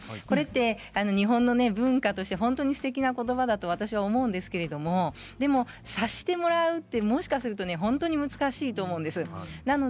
これは日本の文化として本当にすてきなことばだと私思うんですけれど、でも察してもらうというのは本当に難しいと思うんです。